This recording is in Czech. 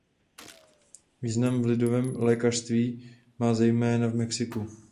Význam v lidovém lékařství má zejména v Mexiku.